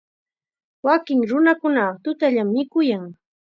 Wakin nunakunaqa tutallam mikuyan.